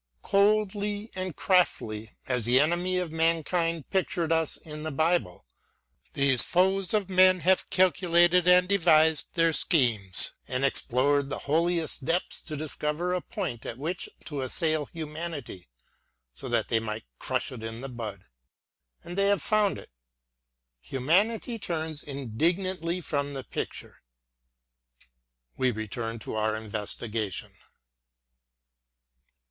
Coldly and craftily, as the enemy of mankind pictured to us in the Bible, these THE VOCATION OF THE SCHOLAR. <~)~> foes of man have calculated and devised their schemes ; and explored the holiest depths to discover a point at which to assail humanity, so that they might crush it in the bud ; and they have found it. Humanity turns indignantly from the picture. We return to our investigation.